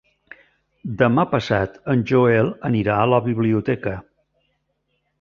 Demà passat en Joel anirà a la biblioteca.